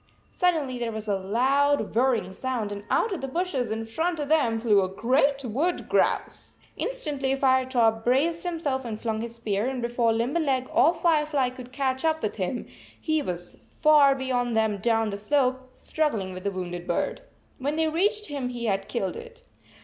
Suddenly there was a loud whirring sound, and out of the bushes in front of them flew a great wood grouse ! Instantly Firetop braced himself and flung his spear, and before Limberleg or Firefly could catch up with him, he was far 56 beyond them down the slope, struggling with the wounded bird. When they reached him, he had killed it.